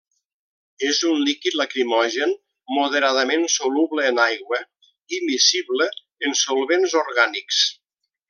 És un líquid lacrimogen moderadament soluble en aigua i miscible en solvents orgànics.